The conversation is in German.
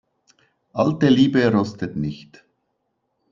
Alte Liebe rostet nicht.